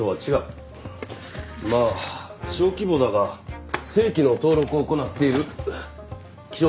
まあ小規模だが正規の登録を行っている消費者金融